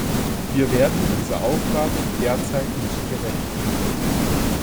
Wir werden dieser Aufgabe derzeit nicht gerecht!